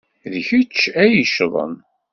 D kecc ay yeccḍen.